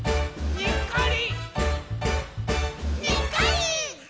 「にっこり！」